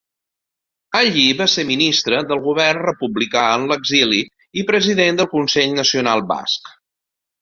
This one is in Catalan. Allí va ser ministre del govern republicà en l'exili i president del Consell Nacional Basc.